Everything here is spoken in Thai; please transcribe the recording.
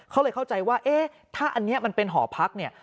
เขาเลยเข้าใจว่าเอ๊ะถ้าอันนี้มันเป็นหอพักเนี่ย